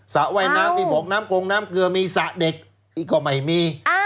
ระว่ายน้ำที่บอกน้ำกรงน้ำเกลือมีสระเด็กก็ไม่มี